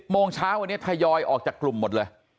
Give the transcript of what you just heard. โมงเช้าวันนี้ทยอยออกจากกลุ่มหมดเลย